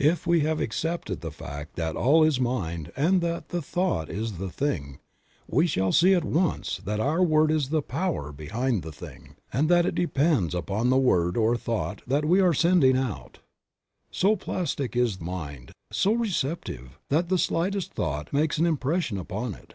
If we have accepted Creative Mind. 5 the fact that all is mind and that the thought is the thing, we shall see at once that our word is the power behind the thing, and that it depends upon the word or thought that we are sending out. (See Creative Mind and Success by the author.) So plastic is mind, so receptive, that the slightest thought makes an impression upon it.